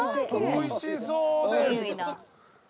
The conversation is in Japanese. おいしそうです。